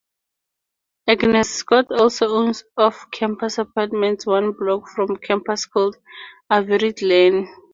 Agnes Scott also owns off-campus apartments one block from campus called Avery Glen.